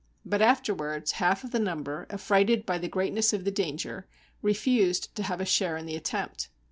But afterwards, half of the number, affrighted by the greatness of the danger, refused to have a share in the attempt.